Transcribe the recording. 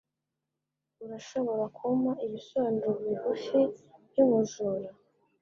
Urashobora kumpa ibisobanuro bigufi byumujura?